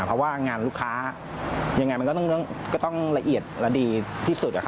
เพราะว่างานลูกค้ายังไงมันก็ต้องละเอียดและดีที่สุด